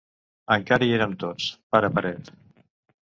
Encara hi érem tots tots, pare paret.